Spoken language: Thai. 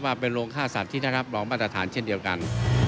ว่าเป็นโรงฆ่าสัตว์ที่ได้รับรองมาตรฐานเช่นเดียวกัน